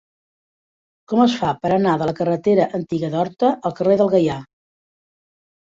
Com es fa per anar de la carretera Antiga d'Horta al carrer del Gaià?